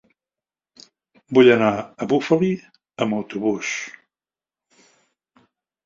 Vull anar a Bufali amb autobús.